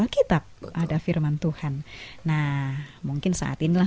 kota sion yang terindah